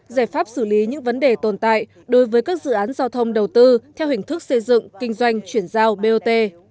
giải pháp xử lý những vấn đề tồn tại đối với các dự án giao thông đầu tư theo hình thức xây dựng kinh doanh chuyển giao bot